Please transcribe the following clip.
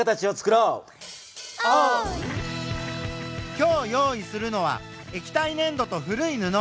今日用意するのは液体ねん土と古い布。